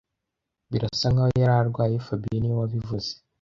Birasa nkaho yari arwaye fabien niwe wabivuze